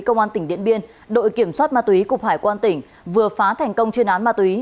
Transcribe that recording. công an tỉnh điện biên đội kiểm soát ma túy cục hải quan tỉnh vừa phá thành công chuyên án ma túy